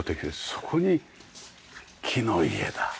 そこに木の家だ。ねえ。